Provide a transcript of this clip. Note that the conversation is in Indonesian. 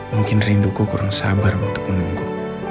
mungkin rinduku kurang sabar untuk menunggu